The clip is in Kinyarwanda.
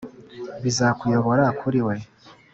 bizakuyobora kuriwe,